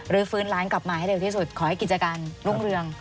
ฟื้นร้านกลับมาให้เร็วที่สุดขอให้กิจการรุ่งเรือง